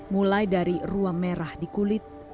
mulai dari ruang merah di kulit